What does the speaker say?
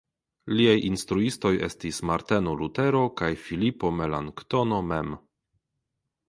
Liaj instruistoj estis Marteno Lutero kaj Filipo Melanktono mem.